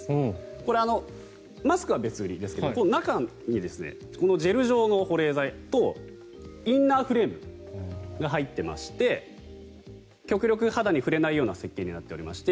これ、マスクは別売りですが中にこのジェル状の保冷剤とインナーフレームが入っていまして極力、肌に触れないような設計になっていまして。